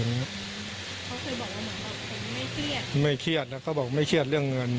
เขาเคยบอกว่าเหมือนกับผมไม่เครียดไม่เครียดนะเขาบอกไม่เครียดเรื่องเงิน